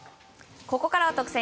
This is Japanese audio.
ここからは特選！